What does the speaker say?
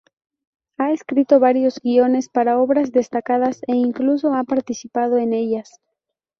Ha escrito varios guiones para obras destacadas e incluso ha participado en ellas.